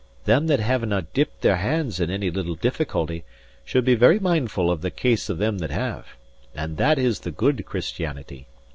Them that havenae dipped their hands in any little difficulty, should be very mindful of the case of them that have. And that is the good Christianity.